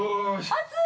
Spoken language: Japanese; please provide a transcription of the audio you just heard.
熱い！